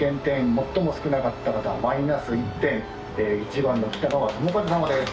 最も少なかった方マイナス１点１番のキタガワトモカズ様です。